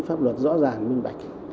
pháp luật rõ ràng minh bạch